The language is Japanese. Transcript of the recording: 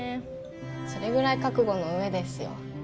それぐらい覚悟の上ですよ